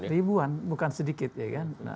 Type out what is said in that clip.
ribuan bukan sedikit ya kan